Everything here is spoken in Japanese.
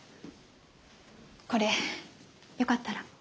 これよかったら。